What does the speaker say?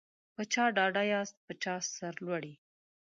په چا ډاډه یاست په چا سرلوړي